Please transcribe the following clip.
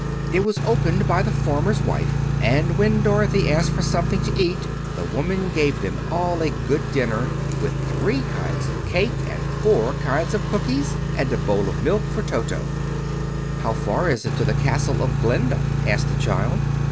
It was opened by the farmer's wife, and when Dorothy asked for something to eat the woman gave them all a good dinner, with three kinds of cake and four kinds of cookies, and a bowl of milk for Toto. "How far is it to the Castle of Glinda?" asked the child.